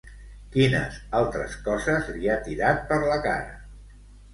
Quines altres coses li ha tirat per la cara?